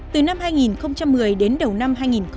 từ năm hai nghìn một mươi đến đầu năm hai nghìn một mươi chín